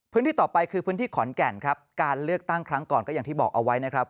พื้นที่ต่อไปคือพื้นที่ขอนแก่นครับการเลือกตั้งครั้งก่อนก็อย่างที่บอกเอาไว้นะครับ